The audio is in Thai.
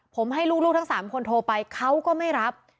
ผมให้ลูกทั้ง๓คนโทรไปเขาก็ไม่รับ